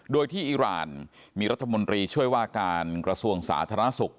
โดยที่อิราณมีรัฐมนตรีช่วยว่าการกระทรวงสาธารณสุข